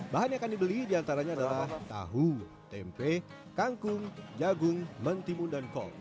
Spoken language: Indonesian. bahan yang akan dibeli diantaranya adalah tahu tempe kangkung jagung mentimun dan kol